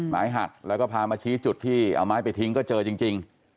ไม้หักแล้วก็พามาชี้จุดที่เอาไม้ไปทิ้งก็เจอจริง